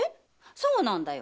そうなんだよ。